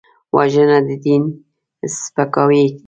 وژنه د دین سپکاوی دی